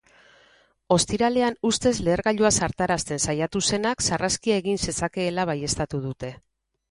Ostiralean ustez lehergailua zartarazten saiatu zenak sarraskia egin zezakeela baieztatu dute.